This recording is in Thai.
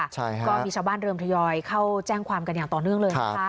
ใช่ค่ะก็มีชาวบ้านเริ่มทยอยเข้าแจ้งความกันอย่างต่อเนื่องเลยนะคะ